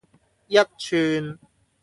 一串